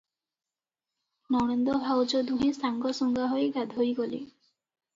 ନଣନ୍ଦ ଭାଉଜ ଦୁହେଁ ସାଙ୍ଗସୁଙ୍ଗା ହୋଇ ଗାଧୋଇ ଗଲେ ।